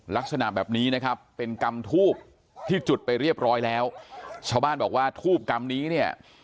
ลักษณะแบบนี้นะครับเป็นกรรมทูบที่จุดไปเรียบร้อยแล้วชาวบ้านบอกว่าทูบกรรมนี้เนี่ย